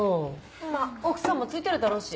まぁ奥さんもついてるだろうし。